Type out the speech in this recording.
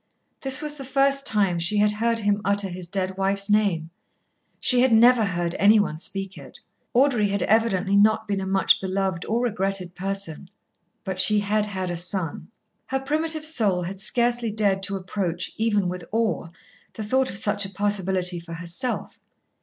This was the first time she had heard him utter his dead wife's name. She had never heard anyone speak it. Audrey had evidently not been a much beloved or regretted person. But she had had a son. Her primitive soul had scarcely dared to approach, even with awe, the thought of such a possibility for herself.